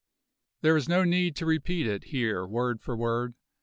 There is no need to repeat it here word for word.